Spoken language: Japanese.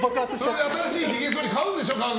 それで新しいひげそり買うんでしょ？